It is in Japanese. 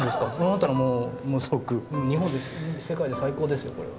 だったらもうものすごく日本で世界で最高ですよこれは。